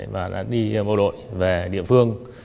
và đã đi bộ đội về địa phương